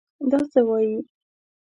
دا څه وايې!